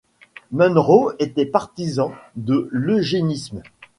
Munro était partisan de l'eugénisme.